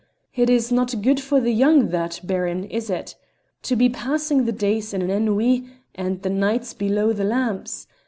It is not good for the young, that, Baron, is it? To be passing the days in an ennui and the nights below the lamps?